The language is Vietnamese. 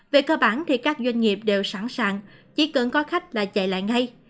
về cơ bản thì các doanh nghiệp đều sẵn sàng chỉ cần có khách là chạy lại ngay